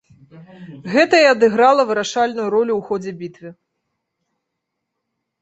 Гэта і адыграла вырашальную ролю ў ходзе бітвы.